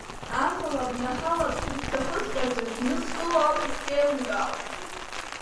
Амала, бнаҳалаԥшырц бҭахыҵәҟьазар, бнызкыло ауп исзеилымкаауа?